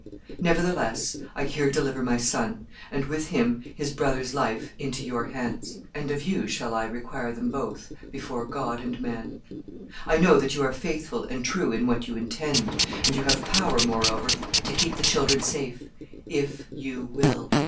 Nevertheless, I here deliver my son, and with him his brother's life, into your hands, and of you shall I require them both, before God and man. I know that you are faithful and true in what you intend, and you have power, moreover, to keep the children safe, if you will.